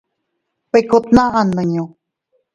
Bikku tnaʼa nmiñu.